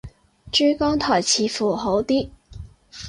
珠江台似乎好啲